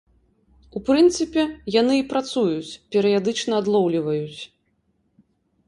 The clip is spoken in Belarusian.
У прынцыпе, яны і працуюць, перыядычна адлоўліваюць.